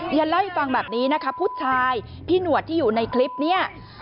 เรียนเล่าให้ฟังแบบนี้นะคะผู้ชายพี่หนวดที่อยู่ในคลิปเนี่ย